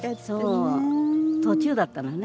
そう途中だったのよね。